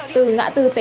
từ ngã tư tế thánh